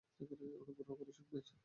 অনুগ্রহ করে শুনবেন।